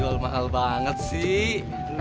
masa dulu mahal banget sih